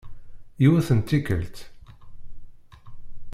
Yiwet n tikkelt.